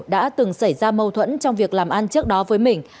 đã từng xảy ra mâu thuẫn trong việc làm ăn trước đó với mình